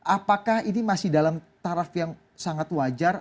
apakah ini masih dalam taraf yang sangat wajar